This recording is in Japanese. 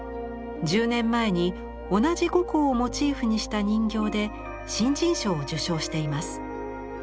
１０年前に同じ呉公をモチーフにした人形で新人賞を受賞しています。